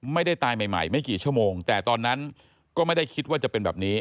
ไม่ได้ตายใหม่ไม่กี่ชั่วโมงแต่ตอนนั้นก็ไม่ได้คิดว่าจะเป็นแบบนี้